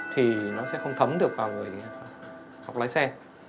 thì nó sẽ không thấm được vào người học lái xe